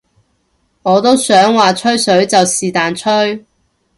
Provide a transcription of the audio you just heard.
我都話想吹水就是但吹